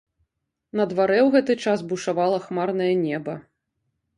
На дварэ ў гэты час бушавала хмарнае неба.